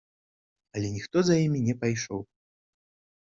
Але ніхто за імі не пайшоў.